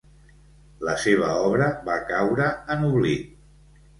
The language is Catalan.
La seva obra va caure en oblit.